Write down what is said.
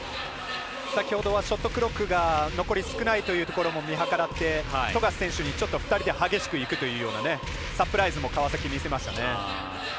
先ほどはショットクロックが残り少ないというところも見計らって、富樫選手に２人で激しくいくというようなサプライズも川崎、見せましたね。